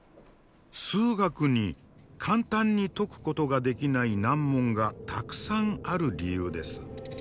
数学に簡単に解くことができない難問がたくさんある理由です。